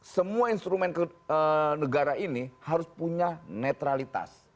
semua instrumen negara ini harus punya netralitas